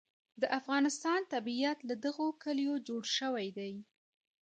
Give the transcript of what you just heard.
د افغانستان طبیعت له دغو کلیو جوړ شوی دی.